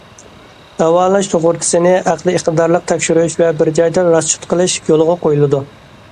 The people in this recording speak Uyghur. داۋالىنىش سۇغۇرتىسىنى ئەقلىي ئىقتىدارلىق تەكشۈرۈش ۋە بىر جايدا راسچوت قىلىش يولغا قويۇلىدۇ.